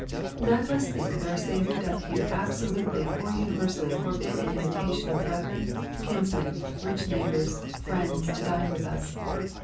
None must think that our Saviour doth here absolutely or univer sally forbid an invitation of brethren, kinsmen, rich neighbors, fiiends, to dine with us.